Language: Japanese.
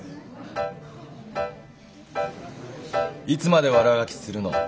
いつまで悪あがきするの？